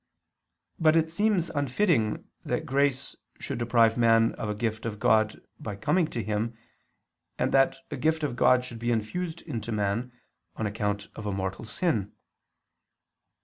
But it seems unfitting that grace should deprive man of a gift of God by coming to him, and that a gift of God should be infused into man, on account of a mortal sin.